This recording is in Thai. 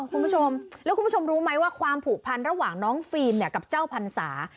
คุณผู้ชมแล้วคุณผู้ชมรู้ไหมว่าความผูกพันระหว่างน้องฟิล์มเนี่ยกับเจ้าพันศา